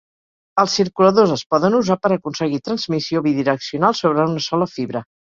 Els circuladors es poden usar per aconseguir transmissió bidireccional sobre una sola fibra.